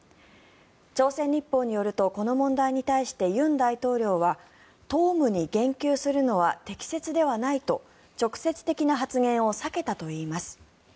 朝鮮日報によるとこの問題に対して尹大統領は党務に言及するのは適切ではないと直接的な発言を避けたといいます。